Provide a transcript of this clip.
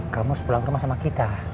kamu harus pulang ke rumah sama kita